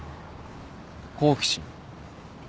好奇心。